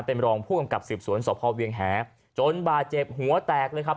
เป็นรองผู้กำกับสืบสวนสพเวียงแหจนบาดเจ็บหัวแตกเลยครับ